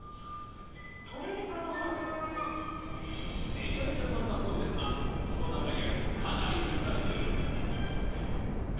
めちゃめちゃ簡単そうですが、大人がやると、かなり難しく。